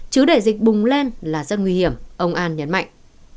chứ đại dịch bùng lên là rất nguy hiểm ông an nhấn mạnh